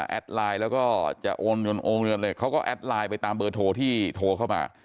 แอดไลน์แล้วก็จะโอนเงินเขาก็แอดไลน์ไปตามเบอร์โทที่โทเข้ามา